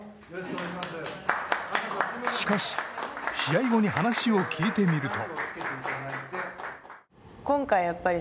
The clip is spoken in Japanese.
しかし試合後に話を聞いてみると。